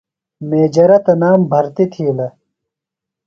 میجرہ تنام برتیۡ تِھیلہ۔